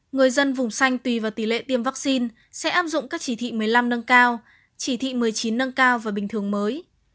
người dân vùng xanh tùy vào tỷ lệ tiêm vaccine sẽ áp dụng các chỉ thị một mươi năm nâng cao chỉ thị một mươi chín nâng cao và bình thường mới